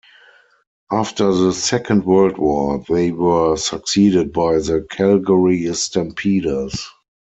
After the Second World War, they were succeeded by the Calgary Stampeders.